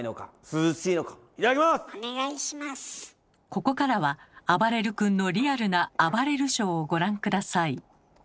ここからはあばれる君のリアルな「あばれるショー」をご覧下さい。